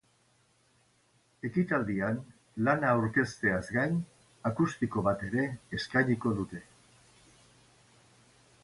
Ekitaldian lana aurkezteaz gain, akustiko bat ere eskainiko dute.